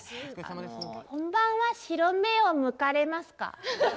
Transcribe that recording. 本番は白目をむかれますか？